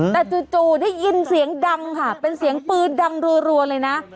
แต่จู่ได้ยินเสียงดังค่ะเป็นเสียงปืนดังรัวเลยนะ